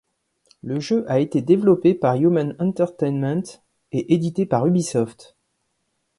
Le jeu a été développé par Human Entertainment et édité par Ubisoft.